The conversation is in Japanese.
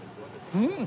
うん！